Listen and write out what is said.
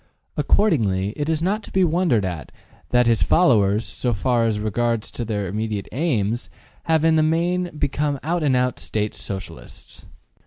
Accordingly, it is not to be wondered at that his followers, so far as regards their immediate aims, have in the main become out and out State Socialists.